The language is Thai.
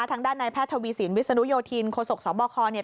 ทางด้านในแพทย์ทวีสินวิศนุโยธินโคศกสบคเนี่ย